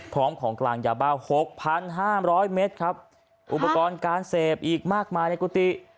พร้อมของกลางยาบ้าหกพันห้าร้อยเมตรครับอุปกรณ์การเสพอีกมากมายในกุติ